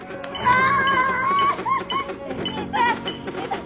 ああ！